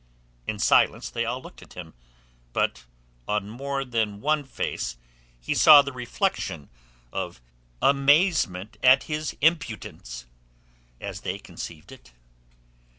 In silence they all looked at him, but on more than one face he saw the reflection of amazement at his impudence, as they conceived it.